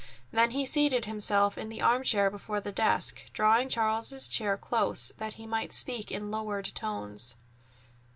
Then he seated himself in the arm chair before the desk, drawing Charles's chair close, that he might speak in lowered tones.